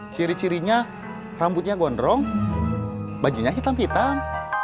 ciri cirinya rambutnya gondrong bajunya hitam hitam